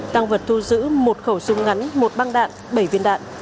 tăng vật thu giữ một khẩu súng ngắn một băng đạn bảy viên đạn